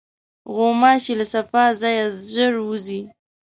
غوماشې له صفا ځایه ژر وځي.